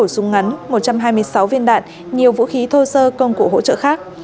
súng ngắn một trăm hai mươi sáu viên đạn nhiều vũ khí thô sơ công cụ hỗ trợ khác